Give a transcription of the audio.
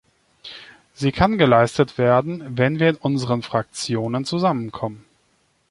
Sie kann geleistet werden, wenn wir in unseren Fraktionen zusammenkommen.